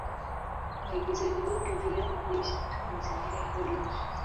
Waigizaji wengi wa filamu huishi katika mazingira ya Hollywood.